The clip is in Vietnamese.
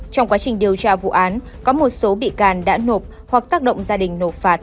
trong quá trình điều tra vụ án có một số bị can đã nộp hoặc tác động gia đình nộp phạt